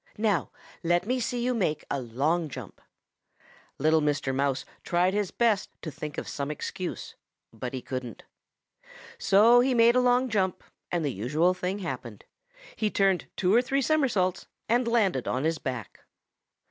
Now let me see you make a long jump.' "Little Mr. Mouse tried his best to think of some excuse, but he couldn't. So he made a long jump, and the usual thing happened he turned two or three somersaults and landed on his back.